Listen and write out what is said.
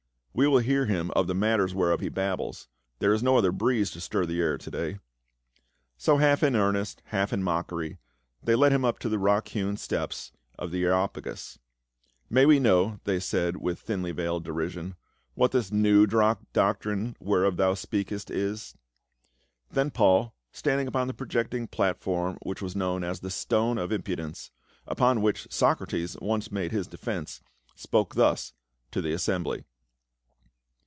We will hear him of the matters whereof he babbles ; there is no other breeze to stir the air to day." So half in earnest, half in mockery they led him up the rock hewn steps of the Areopagus. " May we know," they said with thinly veiled derision, "what this new doctrine whereof thou speakest is?" Then Paul, standing upon the projecting platform which was known as the "Stone of Impudence," upon which Socrates once made his defence, spoke thus to the assembly.